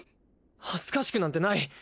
恥ずかしくなんてない！